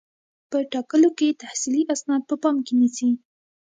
په ټاکلو کې تحصیلي اسناد په پام کې نیسي.